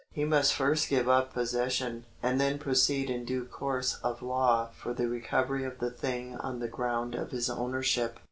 He must first give up possession, and then proceed in due course of law for the recovery of the thing on the ground of his ownership.